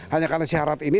hanya karena syarat ini